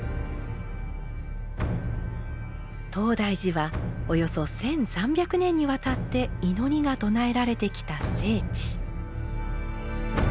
東大寺はおよそ１，３００年にわたって祈りが唱えられてきた聖地。